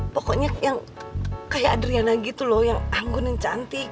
pokoknya yang kayak adriana gitu loh yang anggun yang cantik